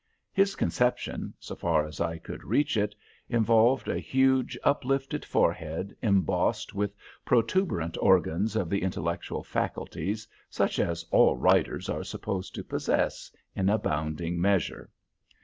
His conception, so far as I could reach it, involved a huge, uplifted forehead, embossed with protuberant organs of the intellectual faculties, such as all writers are supposed to possess in abounding measure.